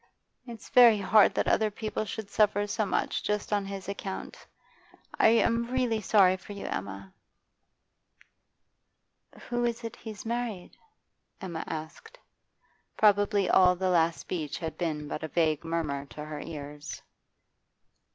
It's very hard that other people should suffer so much just on his account. I am really sorry for you, Emma.' 'Who is it he's married?' Emma asked. Probably all the last speech had been but a vague murmur to her ears.